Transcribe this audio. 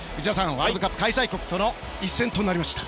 ワールドカップ開催国との一戦となりました。